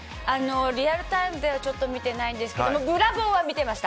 リアルタイムでは見ていないんですけどブラボー！は見てました。